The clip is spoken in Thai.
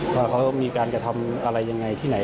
เพามองให้การรับสรภาพข้อหาค้าคนตาย